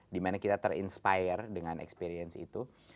dimana kita ter inspire dengan experience itu